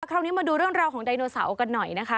คราวนี้มาดูเรื่องราวของไดโนเสาร์กันหน่อยนะคะ